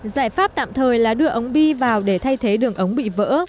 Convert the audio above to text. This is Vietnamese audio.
giải pháp tạm thời là đưa ống bi vào để thay thế đường ống bị vỡ